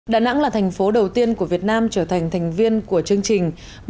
đà nẵng là thành phố đầu tiên của việt nam trở thành thành viên của chương trình